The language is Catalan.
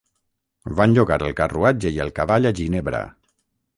Van llogar el carruatge i el cavall a Ginebra.